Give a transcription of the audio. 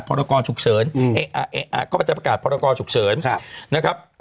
เออเขาจะประกาศพรกรฉุกเฉิน